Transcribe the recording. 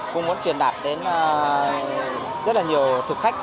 cũng muốn truyền đạt đến rất nhiều thực khách